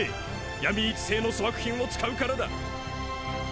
闇市製の粗悪品を使うからだ！